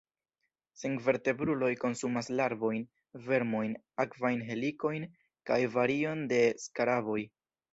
Senvertebruloj konsumas larvojn, vermojn, akvajn helikojn, kaj varion de skaraboj.